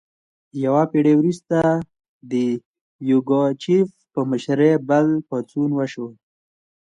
یوه پیړۍ وروسته د یوګاچف په مشرۍ بل پاڅون وشو.